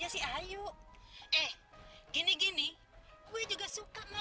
tolong cik mabuk sama sama